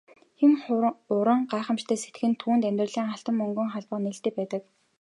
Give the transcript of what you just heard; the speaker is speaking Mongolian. Хэн уран гайхамшигтай сэтгэнэ түүнд амьдралын алтан мөнгөн хаалга нээлттэй байдаг.